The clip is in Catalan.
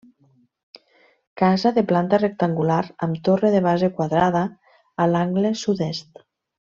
Casa de planta rectangular amb torre de base quadrada a l'angle sud-est.